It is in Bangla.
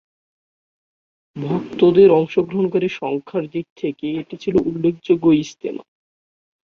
ভক্তদের অংশগ্রহণকারী সংখ্যার দিক থেকে এটি ছিল উল্লেখযোগ্য ইজতেমা।